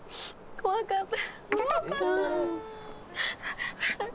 「怖かった」。